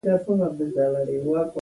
اوس د دغو وسایطو ټولې عرابې پنجر دي.